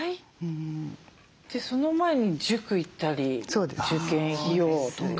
その前に塾行ったり受験費用とか。